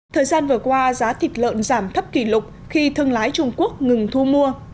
thời gian vừa qua giá thịt lợn giảm thấp kỷ lục khi thương lái trung quốc ngừng thu mua